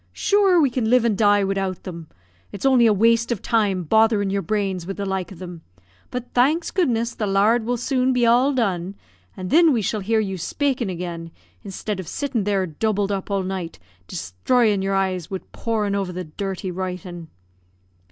"Sure, we can live and die widout them. It's only a waste of time botherin' your brains wid the like of them; but, thanks goodness! the lard will soon be all done, an' thin we shall hear you spakin' again, instead of sittin' there doubled up all night, desthroying your eyes wid porin' over the dirthy writin'."